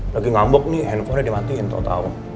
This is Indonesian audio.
lagi ngambek nih handphonenya dimatiin tau tau